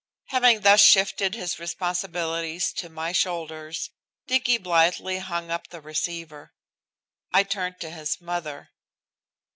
Having thus shifted his responsibilities to my shoulders, Dicky blithely hung up the receiver. I turned to his mother.